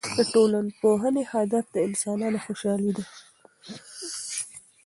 د ټولنپوهنې هدف د انسانانو خوشحالي ده.